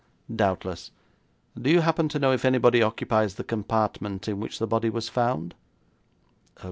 'Doubtless. Do you happen to know if anybody occupies the compartment in which the body was found?'